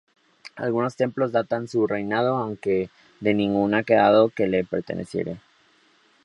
Algunos templos datan de su reinado aunque de ninguno ha quedado que le perteneciera.